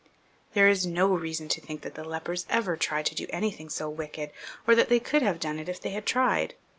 There is no reason to think that the lepers ever tried to do anything so wicked, or that they could have done it if they had tried.